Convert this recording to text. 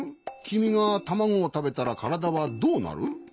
きみがたまごをたべたらからだはどうなる？